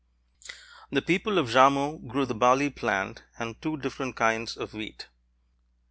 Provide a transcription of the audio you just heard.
The people of Jarmo grew the barley plant and two different kinds of wheat.